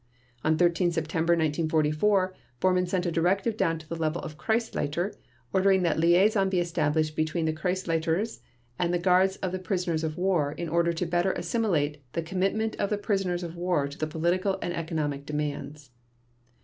On 13 September 1944, Bormann sent a directive down to the level of Kreisleiter ordering that liaison be established between the Kreisleiters and the guards of the prisoners of war in order "better to assimilate the commitment of the prisoners of war to the political and economic demands".